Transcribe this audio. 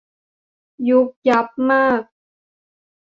ยุ่บยั่บมาก